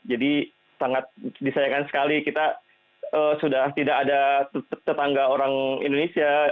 jadi sangat disayangkan sekali kita sudah tidak ada tetangga orang indonesia